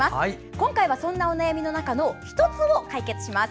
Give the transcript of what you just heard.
今回は、そんなお悩みの中の１つを解決します。